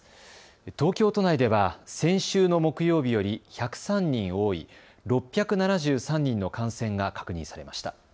東京都内では先週の木曜日より１０３人多い、６７３人の感染が確認されました。